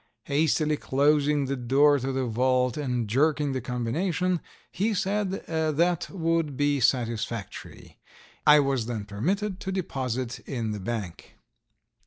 Hastily closing the door to the vault and jerking the combination, he said that would be satisfactory. I was then permitted to deposit in the bank.